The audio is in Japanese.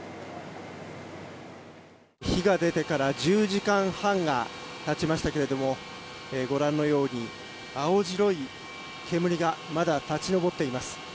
火が出てから１０時間半が経ちましたけれどもご覧のように、青白い煙がまだ立ち上っています。